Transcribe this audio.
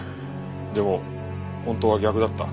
でも本当は逆だった。